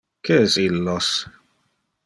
Que es illos?